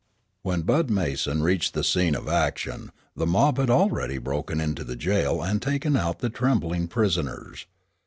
When Bud Mason reached the scene of action, the mob had already broken into the jail and taken out the trembling prisoners.